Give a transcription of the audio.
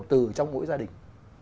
từ trong mỗi gia đình